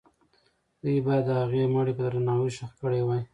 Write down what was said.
دوی باید د هغې مړی په درناوي ښخ کړی وای.